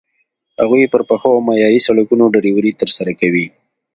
هغوی پر پخو او معیاري سړکونو ډریوري ترسره کوي.